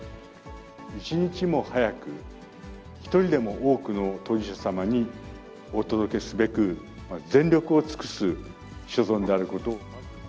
一日も早く、一人でも多くの当事者様にお届けすべく、全力を尽くす所存であることを。